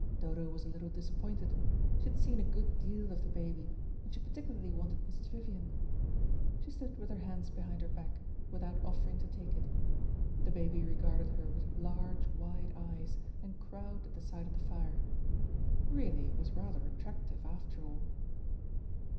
Dodo was a little disappointed; she had seen a good deal of the baby, and she particularly wanted Mrs. Vivian. She stood with her hands behind her back, without offering to take it. The baby regarded her with large wide eyes, and crowed at the sight of the fire. Really it was rather attractive, after all.